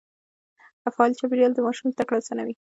فعال چاپېريال د ماشوم زده کړه آسانوي.